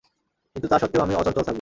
কিন্তু তা সত্ত্বেও আমি অচঞ্চল থাকব।